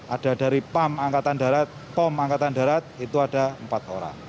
ada dari pom angkatan darat itu ada empat orang